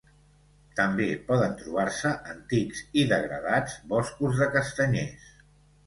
També poden trobar-se antics i degradats boscos de castanyers.